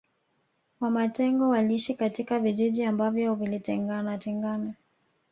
Wamatengo waliishi katika vijiji ambavyo vilitengana tengana